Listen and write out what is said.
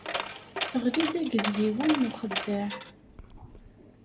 Teɣli-d akked yiwen n uxeddaɛ.